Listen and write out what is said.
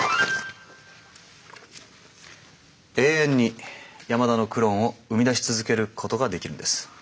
永遠に山田のクローンを生み出し続けることができるんです。